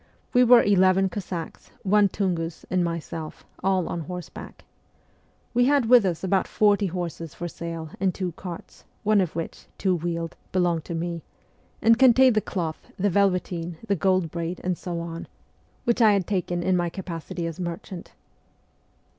We were eleven Cossacks, one Tungus, and myself, all on horseback. We had with us about forty horses for sale and two carts, one of which, two wheeled, belonged to me, and contained the cloth, the velveteen, the gold braid, and so on, which I had taken in my 23(5 MEMOIRS OF A REVOLUTIONIST capacity of merchant.